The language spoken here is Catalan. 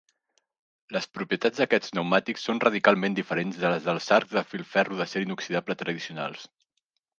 Les propietats d'aquests pneumàtics són radicalment diferents de les dels arcs de filferro d'acer inoxidable tradicionals.